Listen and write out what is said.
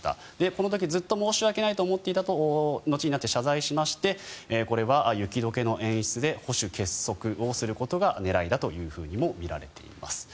この時ずっと申し訳ないと思っていたと後になって謝罪しましてこれは雪解けの演出で保守結束をすることが狙いだともみられています。